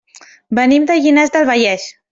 Venim de Llinars del Vallès.